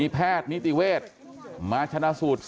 พ่อขออนุญาต